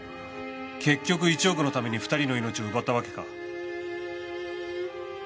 結局１億のために２人の命を奪ったわけか？